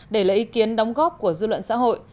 để lấy ý kiến đóng góp của dư luận xã hội